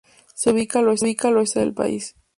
Se ubica al oeste del país.